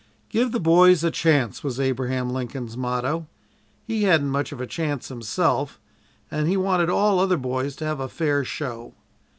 "Give the boys a chance," was Abraham Lincoln's motto. He hadn't had much of a chance himself and he wanted all other boys to have a fair show.